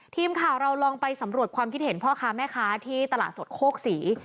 ทีมข่าวเราลองไปสำรวจความคิดเห็นพ่อค้าแม่ค้าที่ตลาดสดโคกศรี